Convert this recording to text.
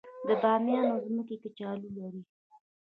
د بامیان ځمکې کچالو لري